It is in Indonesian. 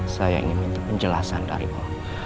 saya ingin minta penjelasan darimu